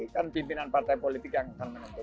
kan pimpinan partai politik yang akan menentukan